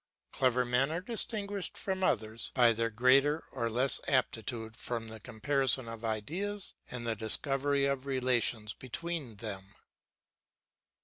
Clever men are distinguished from others by their greater or less aptitude for the comparison of ideas and the discovery of relations between them.